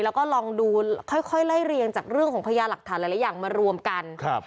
แล้วก็ลองดูค่อยไล่เรียงจากเรื่องของพญาหลักฐานหลายอย่างมารวมกันครับ